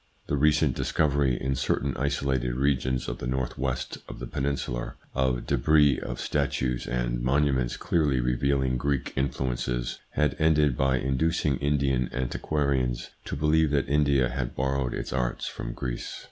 The recent discovery, in certain isolated regions of the north west of the peninsular, of debris of statues and monuments clearly revealing Greek influences, had ended by inducing Indian antiquarians to believe that India had borrowed its arts from Greece.